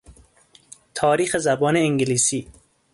تاریخ زبان انگلیسی